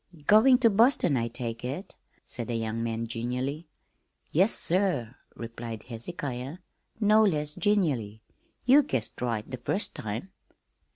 "Going to Boston, I take it," said the young man genially. "Yes, sir," replied Hezehiah, no less genially. "Ye guessed right the first time."